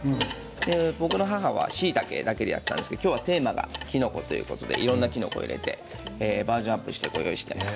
僕の母は、しいたけだけでやっていたんですけれど、今日はテーマが、きのこということでいろいろなきのこを入れてバージョンアップしてご用意しています。